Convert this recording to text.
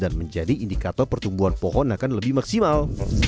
dan menjadi indikator pertumbuhan pohon akan lebih maksimal